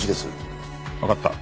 わかった。